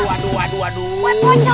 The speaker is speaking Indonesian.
aduh aduh aduh aduh aduh